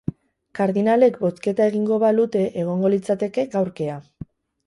Kardinalek bozketa egingo balute egongo litzateke gaur kea.